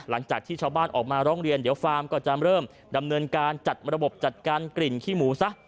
หลังจากที่ชาวบ้านออกมาร้องเรียนเดี๋ยวฟาร์มก็จะเริ่มดำเนินการจัดระบบจัดการกลิ่นขี้หมูซะ